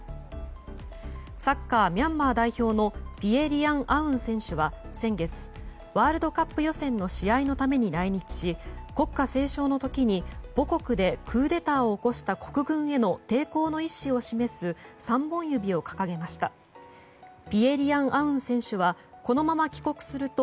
サッカーミャンマー代表のピエ・リアン・アウン選手は先月、ワールドカップ予選の試合のために来日し、国歌斉唱の時に母国でクーデターを起こした国軍への抵抗の意思を示す３本指を掲げました。